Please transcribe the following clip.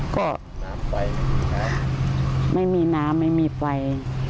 ก็ไม่มีน้ำไม่มีไฟ